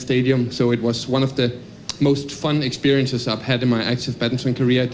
jadi itu adalah satu pengalaman yang paling menyenangkan yang saya lakukan di karya axelsen